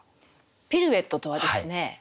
ピルエットとはですね